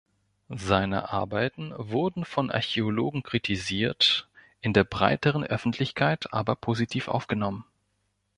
Seine Arbeiten wurden von Archäologen kritisiert, in der breiteren Öffentlichkeit aber positiv aufgenommen.